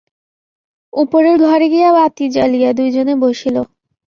উপরের ঘরে গিয়া বাতি জ্বালিয়া দুইজনে বসিল।